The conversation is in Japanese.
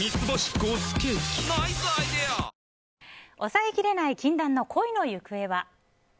抑えきれない禁断の恋の行方は。